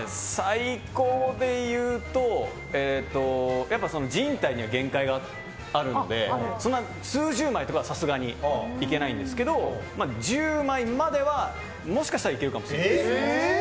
最高で言うと人体の限界があるので数十枚とかはさすがにいけないんですけど１０枚まではもしかしたらいけるかもしれない。